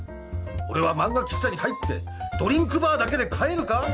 俺は漫画喫茶に入ってドリンクバーだけで帰るか？